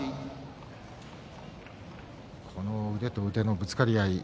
腕と腕のぶつかり合い。